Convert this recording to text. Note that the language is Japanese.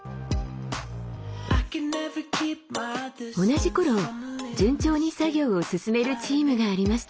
同じ頃順調に作業を進めるチームがありました。